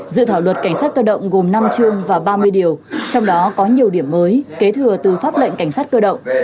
dự thảo luật cảnh sát cơ động gồm năm chương và ba mươi điều trong đó có nhiều điểm mới kế thừa từ pháp lệnh cảnh sát cơ động